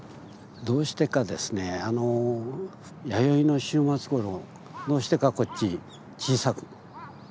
どうしてかですね弥生の終末ごろどうしてかこっち小さくなってますね。